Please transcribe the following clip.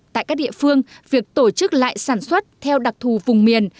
tại các địa phương việc tổ chức lại sản xuất theo đặc thù vùng miền